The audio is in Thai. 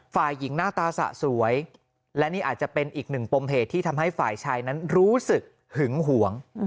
ฝ่ายหญิงหน้าตาสะสวยและนี่อาจจะเป็นอีกหนึ่งปมเหตุที่ทำให้ฝ่ายชายนั้นรู้สึกหึงหวง